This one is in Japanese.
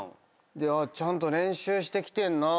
ちゃんと練習してきてんなぁ。